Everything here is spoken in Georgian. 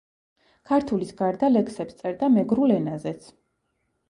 ქართულის გარდა, ლექსებს წერდა მეგრულ ენაზეც.